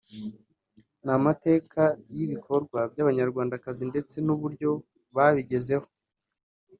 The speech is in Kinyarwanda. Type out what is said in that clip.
ni amateka y’ibikorwa by’Abanyarwandakazi ndetse n’uburyo babigezeho